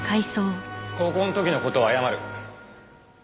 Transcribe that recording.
高校の時の事は謝る。